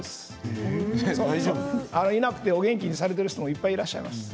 いなくてお元気にされてる人もいっぱいいらっしゃいます。